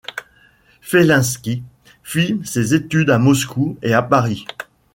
Felinski fit ses études à Moscou et à Paris.